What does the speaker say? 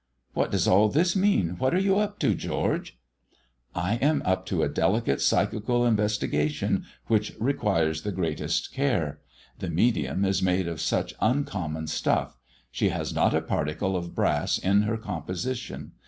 "What does all this mean? What are you up to, George?" "I am up to a delicate psychical investigation which requires the greatest care. The medium is made of such uncommon stuff; she has not a particle of brass in her composition.